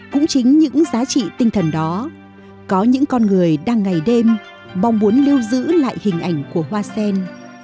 cũng chính những giá trị tinh thần đó có những con người đang ngày đêm mong muốn lưu giữ lại hình ảnh của hoa sen